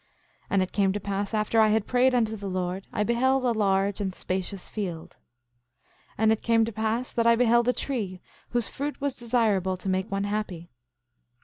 8:9 And it came to pass after I had prayed unto the Lord I beheld a large and spacious field. 8:10 And it came to pass that I beheld a tree, whose fruit was desirable to make one happy.